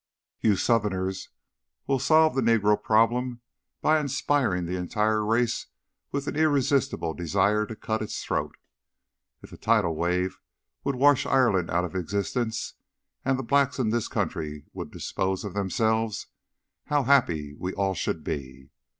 "You Southerners will solve the negro problem by inspiring the entire race with an irresistible desire to cut its throat. If a tidal wave would wash Ireland out of existence and the blacks in this country would dispose of themselves, how happy we all should be!